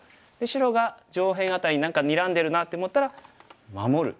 白が上辺あたり何かにらんでるなって思ったら守る。